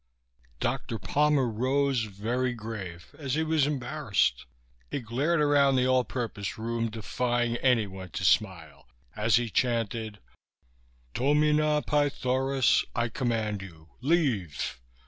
Dr. Palmer rose, very grave, as he was embarrassed. He glared around the all purpose room, defying anyone to smile, as he chanted: "Domina Pythonis, I command you, leave!